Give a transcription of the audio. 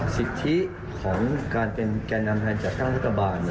สิทธิของการเป็นแก่นำไฮนจากการรัฐบาท